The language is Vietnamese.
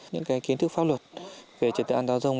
những kiến thức pháp luật về trật tựa an toàn giao thông